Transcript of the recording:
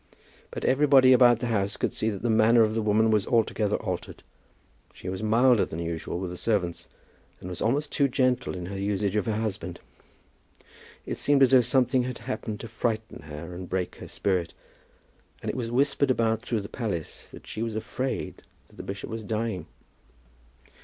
But everybody about the house could see that the manner of the woman was altogether altered. She was milder than usual with the servants and was almost too gentle in her usage of her husband. It seemed as though something had happened to frighten her and break her spirit, and it was whispered about through the palace that she was afraid that the bishop was dying.